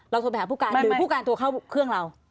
โทรไปหาผู้การคือผู้การโทรเข้าเครื่องเรา